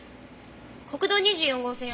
国道２４号線を。